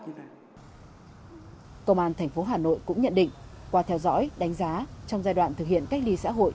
công an tp hà nội cũng nhận định qua theo dõi đánh giá trong giai đoạn thực hiện cách ly xã hội